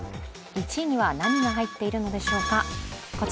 １位には何が入っているのでしょうか。